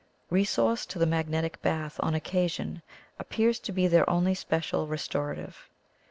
Resource to the magnetic bath on oc casion appears to be their only special restorative.